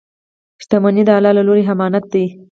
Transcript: • شتمني د الله له لورې امانت دی.